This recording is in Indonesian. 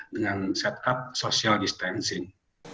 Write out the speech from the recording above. dengan setup social distancing